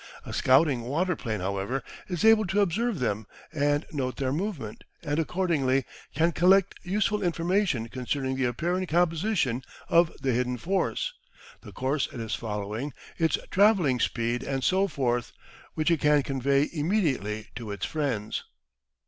A scouting waterplane, however, is able to observe them and note their movement, and accordingly can collect useful information concerning the apparent composition of the hidden force, the course it is following, its travelling speed, and so forth, which it can convey immediately to its friends.